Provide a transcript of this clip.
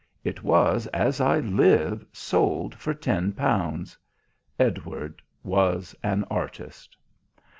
It was, as I live, sold for ten pounds. Edward was an artist.